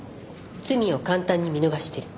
罪を簡単に見逃してる。